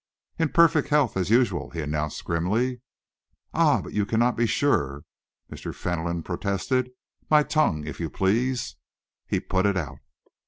"In perfect health, as usual," he announced grimly. "Ah, but you cannot be sure!" Mr. Fentolin protested. "My tongue, if you please." He put it out.